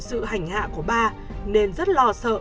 sự hành hạ của ba nên rất lo sợ